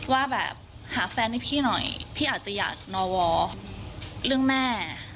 ว่าแบบหาแฟนให้พี่หน่อยพี่อาจจะอยากนอวอเรื่องแม่